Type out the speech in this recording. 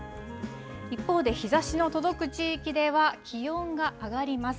一方で、日ざしの届く地域では、気温が上がります。